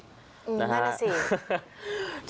อืมได้มาสิ